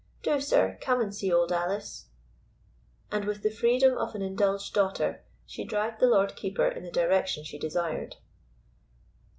Do, sir, come and see Old Alice." And with the freedom of an indulged daughter she dragged the Lord Keeper in the direction she desired.